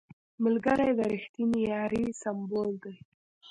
ملګری د رښتینې یارۍ سمبول دی